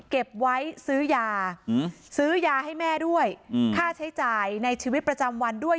เก็บไว้ซื้อยาซื้อยาให้แม่ด้วยค่าใช้จ่ายในชีวิตประจำวันด้วย